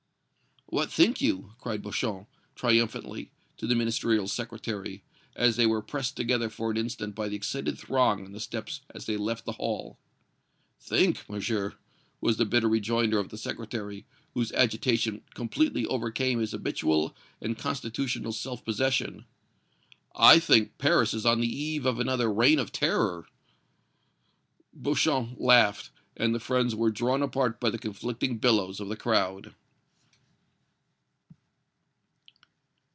"What think you?" cried Beauchamp, triumphantly, to the Ministerial Secretary, as they were pressed together for an instant by the excited throng on the steps as they left the hall. "Think, Monsieur!" was the bitter rejoinder of the Secretary, whose agitation completely overcame his habitual and constitutional self possession, "I think Paris is on the eve of another Reign of Terror!" Beauchamp laughed, and the friends were drawn apart by the conflicting billows of the crowd.